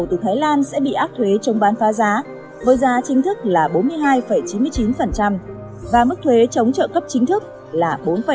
nhập khẩu từ thái lan sẽ bị áp thuế trong bán pha giá với giá chính thức là bốn mươi hai chín mươi chín và mức thuế chống trợ cấp chính thức là bốn sáu mươi năm